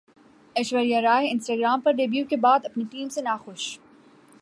Aishwarya Rai Instagram پر debut کے بعد اپنی ٹیم سے ناخوش